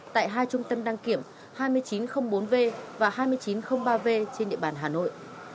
tại hai trung tâm đăng kiểm hai nghìn chín trăm linh bốn v và hai nghìn chín trăm linh ba v trên địa bàn hà nội